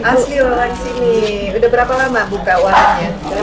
asli orang sini udah berapa lama buka warnanya